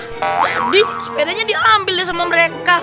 jadi sepedanya diambil deh sama mereka